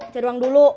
cari ruang dulu